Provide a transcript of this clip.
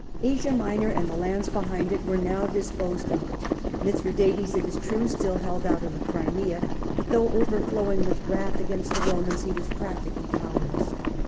Asia Minor and the lands behind it were now disposed of. Mithradates, it is true, still held out in the Crimea ; but though overflowing with wrath against the Eomans, he was practically powerless.